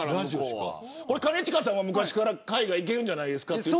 兼近さんは昔から海外いけるんじゃないかと。